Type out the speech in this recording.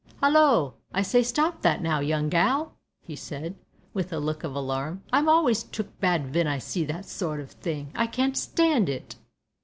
"Hallo! I say, stop that now, young gal," he said, with a look of alarm, "I'm always took bad ven I see that sort o' thing, I can't stand it."